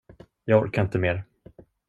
Jag orkar inte mer.